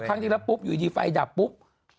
ครั้งที่แล้วปุ๊บอยู่ดีไฟดับปุ๊บ